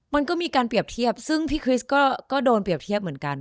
มันก็มีการเปรียบเทียบซึ่งพี่คริสต์ก็โดนเปรียบเทียบเหมือนกัน